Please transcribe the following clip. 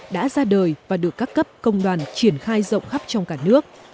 đã ra đời và được các cấp công đoàn triển khai rộng khắp trong cả nước